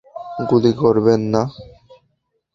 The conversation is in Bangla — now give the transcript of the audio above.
গুলি করবেন না।